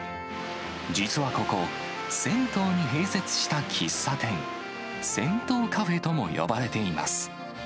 実はここ、銭湯に併設した喫茶店、銭湯カフェとも呼ばれています。